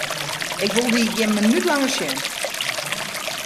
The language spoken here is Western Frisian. Ik wol dyn gjin minút langer sjen!